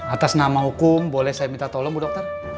atas nama hukum boleh saya minta tolong bu dokter